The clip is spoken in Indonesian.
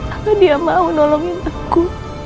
apa dia mau nolongin aku